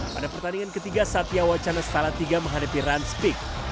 pada pertandingan ke tiga satya wacana setelah tiga menghadapi rans pick